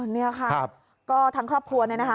นี่ค่ะก็ทั้งครอบครัวเนี่ยนะคะ